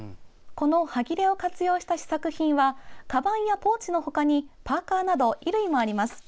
このはぎれを活用した試作品はかばんやポーチの他にパーカなど、衣類もあります。